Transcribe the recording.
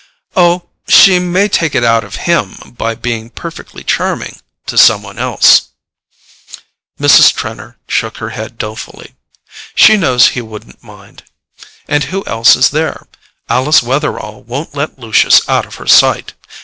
"Oh, she may take it out of HIM by being perfectly charming—to some one else." Mrs. Trenor shook her head dolefully. "She knows he wouldn't mind. And who else is there? Alice Wetherall won't let Lucius out of her sight.